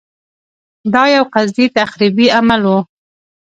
دا یو قصدي تخریبي عمل و.